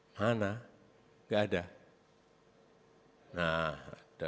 mana tidak ada